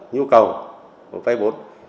nhu cầu của vay vốn